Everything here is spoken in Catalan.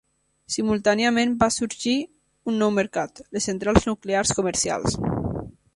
Simultàniament va sorgit un nou mercat: les centrals nuclears comercials.